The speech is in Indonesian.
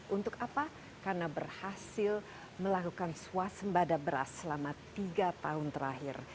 untuk apa karena berhasil melakukan swasembada beras selama tiga tahun terakhir